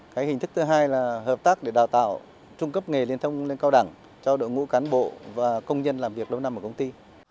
cái hình thức thứ hai là hợp tác để đào tạo trung cấp nghề liên thông lên cao đẳng cho đội ngũ cán bộ và công nhân làm việc lâu năm ở công ty